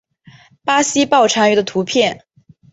巴西豹蟾鱼的图片